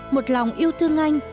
một lòng yêu thương anh